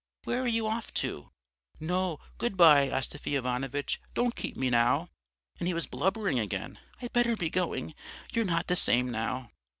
Where are you off to?' "'No, good bye, Astafy Ivanovitch, don't keep me now' and he was blubbering again 'I'd better be going. You're not the same now.'